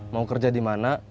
mau kerja di mana